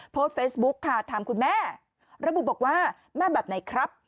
โพสต์เฟซบุ๊คค่ะถามคุณแม่ระบุบอกว่าแม่แบบไหนครับ